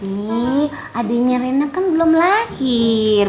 ini adiknya rena kan belum lahir